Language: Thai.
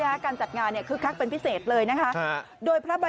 ดูการจัดงานเนี่ยคือคลักเป็นพิเศษเลยนะครับ